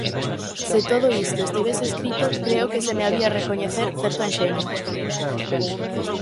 Se todo isto estivese escrito, creo que se me había recoñecer certo enxeño.